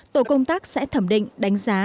tổ công tác sẽ thẩm định đánh giá